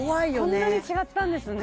こんなに違ったんですね